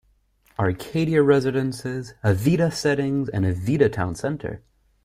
Arcadia Residences, Avida Settings, and Avida Town Center.